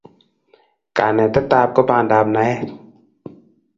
Kanetet ab ko pandab naet